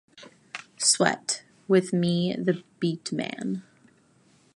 Sweat - with me the beat man.